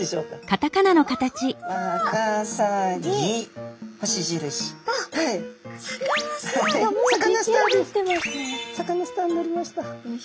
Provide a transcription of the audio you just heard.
サカナスターになりました。